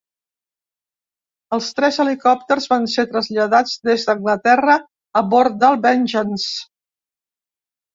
Els tres helicòpters van ser traslladats des d'Anglaterra a bord del "Vengeance".